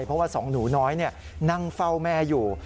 เพราะว่าสองหนูน้อยนั่งเฝ้าแม่อยู่